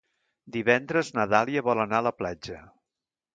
Divendres na Dàlia vol anar a la platja.